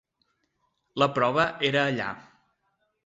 La prova era allà.